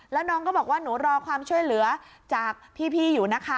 แล้วน้องก็บอกว่าหนูรอความช่วยเหลือจากพี่อยู่นะคะ